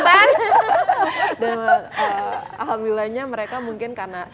alhamdulillahnya mereka mungkin karena